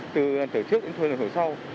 từ lần đầu trước đến lần đầu sau